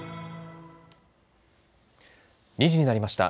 ２時になりました。